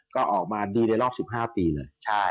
ก็ออกมาดีในรอบ๑๕ปีเลย